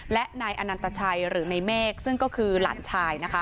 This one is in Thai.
และนายอนันตชัยหรือนายแมกซึ่งก็คือหลานชาย